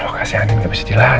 lo kasihanin gak bisa dilacak lagi